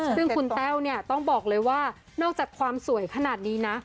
ซึ่งคุณแต้วเนี่ยต้องบอกเลยว่านอกจากความสวยขนาดนี้นะ